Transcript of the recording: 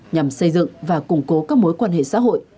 nhằm xây dựng và củng cố các mối quan hệ xã hội